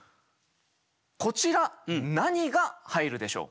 こちら何が入るでしょう？